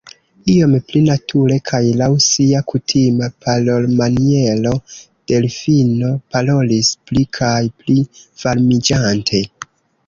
Iom pli nature kaj laŭ sia kutima parolmaniero Delfino parolis, pli kaj pli varmiĝante: